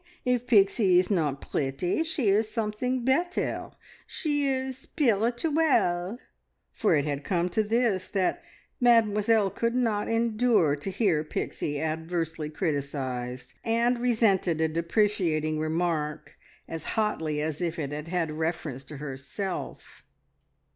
If Pixie is not pretty, she is something better she is spirituelle!" for it had come to this, that Mademoiselle could not endure to hear Pixie adversely criticised, and resented a depreciating remark as hotly as if it had had reference to herself.